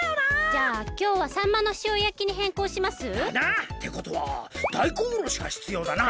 じゃあきょうはさんまのしおやきにへんこうします？だな！ってことはだいこんおろしがひつようだな。